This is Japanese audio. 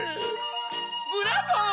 ブラボー！